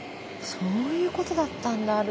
そういうことだったんだ